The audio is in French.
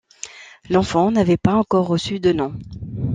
L'enfant n'avait pas encore reçu de nom.